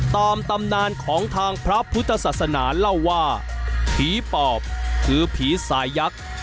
ตำนานของทางพระพุทธศาสนาเล่าว่าผีปอบคือผีสายยักษ์